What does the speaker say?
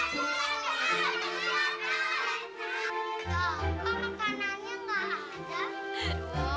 kok makanannya gak ada